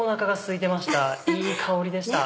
いい香りでした。